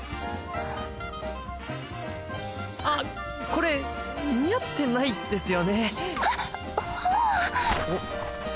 あっこれ似合ってないですよね？